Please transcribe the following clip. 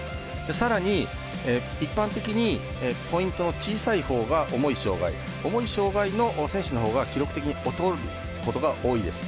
さらに一般的に、ポイントの小さいほうが重い障がい重い障がいの選手のほうが記録的に劣ることが多いです。